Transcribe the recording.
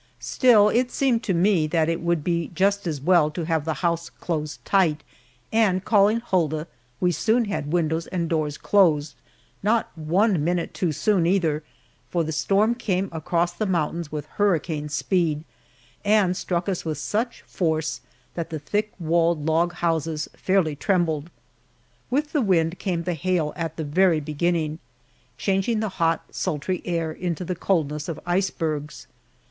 Still, it seemed to me that it would be just as well to have the house closed tight, and calling Hulda we soon had windows and doors closed not one minute too soon, either, for the storm came across the mountains with hurricane speed and struck us with such force that the thick walled log houses fairly trembled. With the wind came the hail at the very beginning, changing the hot, sultry air into the coldness of icebergs.